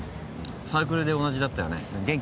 サークルで同じだったよね元気？